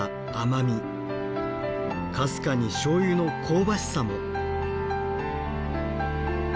かすかにしょうゆの香ばしさも。